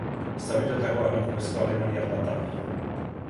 Zauritutakoa emakumezko alemaniar bat da.